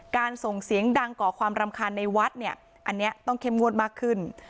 ส่งเสียงดังก่อความรำคาญในวัดเนี่ยอันนี้ต้องเข้มงวดมากขึ้น